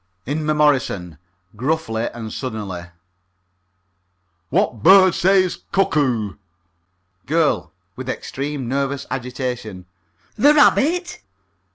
INMEMORISON (gruffly and suddenly): What bird says cuckoo? GIRL (with extreme nervous agitation): The rabbit.